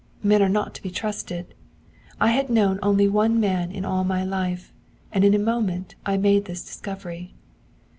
Men are not to be trusted. I have known only one man in all my life, and in a moment I made this discovery.